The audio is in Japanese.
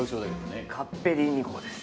「カッペリーニ号です」